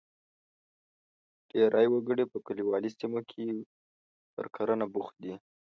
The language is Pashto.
ډېری وګړي په کلیوالي سیمو کې پر کرنه بوخت دي.